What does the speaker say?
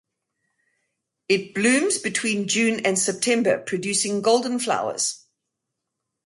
It blooms between June and September producing golden flowers.